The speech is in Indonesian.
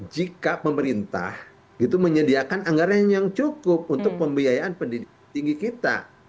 jika pemerintah itu menyediakan anggaran yang cukup untuk pembiayaan pendidikan tinggi kita